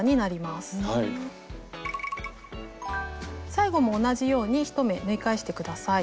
最後も同じように１目縫い返して下さい。